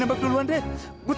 tepat jan tepat